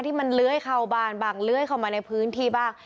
ที่มันเลื้อยเข้าบ้านบ้างเลื้อยเข้ามาในพื้นที่บ้าง